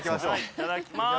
いただきます！